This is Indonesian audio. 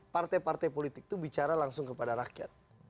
partai partai politik itu bicara langsung kepada rakyat